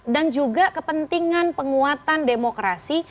dan juga kepentingan penguatan demokrasi